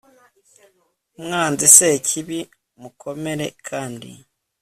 umwanzi sekibi, mukomere kandi